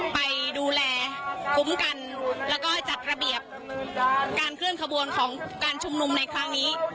ไปดูแลคุ้มกันแล้วก็จัดระเบียบการเคลื่อนขบวนของการชุมนุมในครั้งนี้